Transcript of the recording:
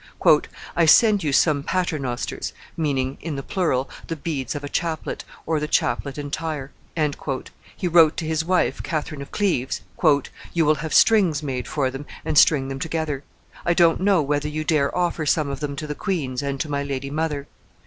"I send you some paternosters [meaning, in the plural, the beads of a chaplet, or the chaplet entire]," he wrote to his wife, Catherine of Cleves; "you will have strings made for them and string them together. I don't know whether you dare offer some of them to the queens and to my lady mother.